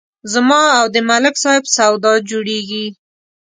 زما او د ملک صاحب سودا جوړېږي